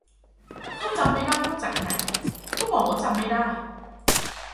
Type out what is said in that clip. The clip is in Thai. ถ้าจำไม่ได้ว่าจากไหน ก็บอกว่าจำไม่ได้